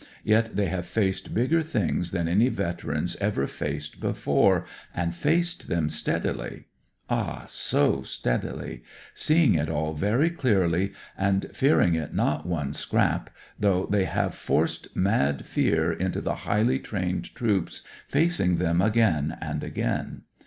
Yet they have faced bigger things than any veterans ever faced before, and faced them steadily; ah, so steadily; seeing it all very clearly, and fearing it not one scrap, though they have forced mad fear into the highly trained troops facing them again and again.